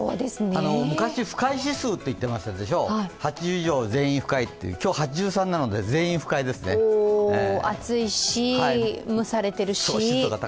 昔、不快指数って言ってましたでしょう、８０以上は全員不快っていう、今日は８３なので全員不快ですね、熱いし。